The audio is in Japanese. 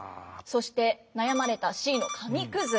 そして悩まれたＣの紙くず。